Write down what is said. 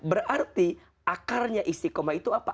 berarti akarnya istiqomah itu apa